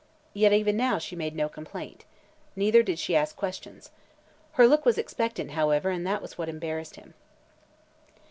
Yet even now she made no complaint. Neither did she ask questions. Her look was expectant, however, and that was what embarrassed him.